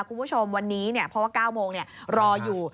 คุณผู้ชมวันนี้เนี่ยเพราะว่า๙โมงเนี่ยรออยู่